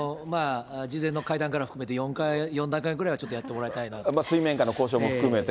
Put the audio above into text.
事前の会談から含めて、４回、４段階ぐらいはちょっとやっても水面下の交渉も含めて。